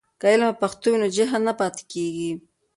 که علم په پښتو وي نو جهل نه پاتې کېږي.